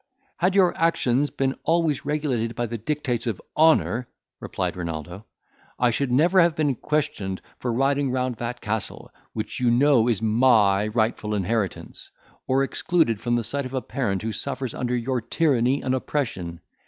"Had your actions been always regulated by the dictates of honour," replied Renaldo, "I should never have been questioned for riding round that castle, which you know is my rightful inheritance; or excluded from the sight of a parent who suffers under your tyranny and oppression.